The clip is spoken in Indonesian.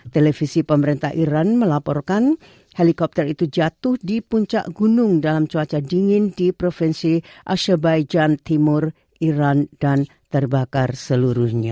televisi pemerintah iran melaporkan helikopter itu jatuh di puncak gunung dalam cuaca dingin di provinsi asyebaijan timur iran dan terbakar seluruhnya